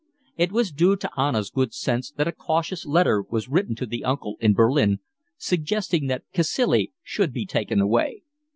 It was due to Anna's good sense that a cautious letter was written to the uncle in Berlin suggesting that Cacilie should be taken away.